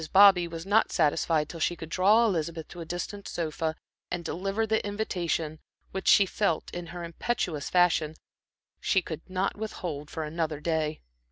Bobby was not satisfied till she could draw Elizabeth to a distant sofa, and deliver the invitation which she felt, in her impetuous fashion, she could not withhold for another day.